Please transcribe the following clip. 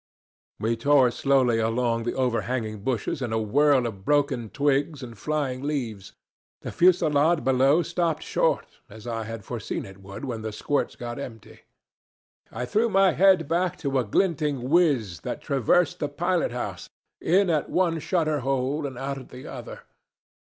"We tore slowly along the overhanging bushes in a whirl of broken twigs and flying leaves. The fusillade below stopped short, as I had foreseen it would when the squirts got empty. I threw my head back to a glinting whizz that traversed the pilot house, in at one shutter hole and out at the other.